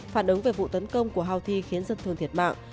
phản ứng về vụ tấn công của houthi khiến dân thường thiệt mạng